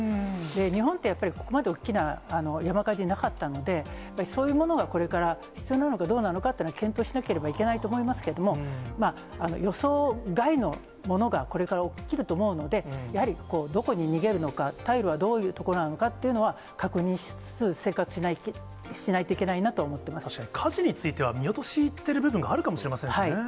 日本ってやっぱりここまで大きな山火事なかったので、そういうものがこれから必要なのかどうなのかというのは検討しなければいけないと思いますけども、予想外のものがこれから起きると思うので、やはりどこに逃げるのか、退路はどういう所なのかというのは確認しつつ、生活しないといけ確かに火事については、見落としてる部分があるかもしれませんしね。